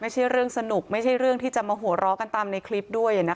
ไม่ใช่เรื่องสนุกไม่ใช่เรื่องที่จะมาหัวเราะกันตามในคลิปด้วย